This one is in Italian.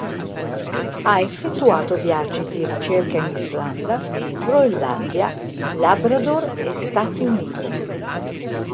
Ha effettuato viaggi di ricerca in Islanda, Groenlandia, Labrador e Stati Uniti.